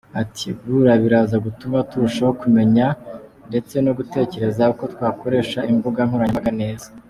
Ati “Guhura biraza gutuma turushaho kumenya ndetse no gutekereza uko twakoresha imbuga nkoranyambaga neza.